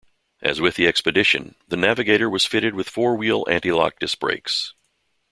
As with the Expedition, the Navigator was fitted with four-wheel anti-lock disc brakes.